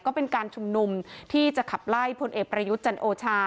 ก็เป็นการชุมนุมที่จะขับไล่พลเอกประยุทธ์จันโอชา